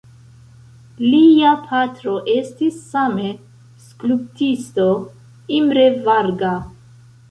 Lia patro estis same skulptisto Imre Varga.